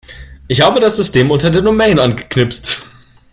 Ich habe das System unter der Domain angeknipst.